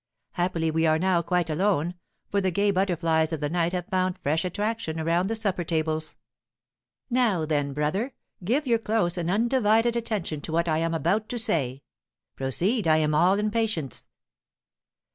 Happily we are now quite alone, for the gay butterflies of the night have found fresh attraction around the supper tables. Now, then, brother, give your close and undivided attention to what I am about to say." "Proceed, I am all impatience."